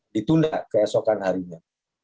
ditunda keesokan harinya